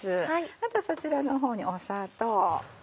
あとはそちらの方に砂糖。